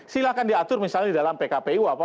silahkan diatur misalnya di dalam pkpu atau di dalam ppp